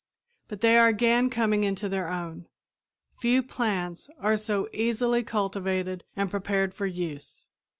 But they are again coming into their own. Few plants are so easily cultivated and prepared for use.